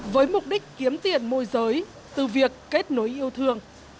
với mục đích kiếm tiền môi giới từ việc kết nối yêu thương